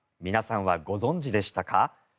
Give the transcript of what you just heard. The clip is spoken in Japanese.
皆さんはご存じでしたか？